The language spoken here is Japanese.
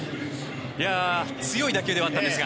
強い打球ではあったんですが。